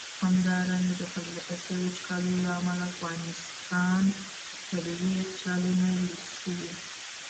همدارنګه د پرله پسي وچکالیو له امله د افغانستان ٪ طبیعي یخچالونه ویلي شوي.